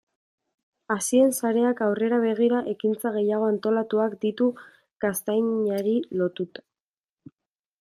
Hazien sareak aurrera begira ekintza gehiago antolatuak ditu gaztainari lotuta.